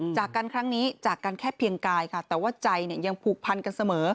จากกันครั้งนี้จากกันแค่เพียงกายค่ะแต่ว่าใจยังผูกพันกันเสมอ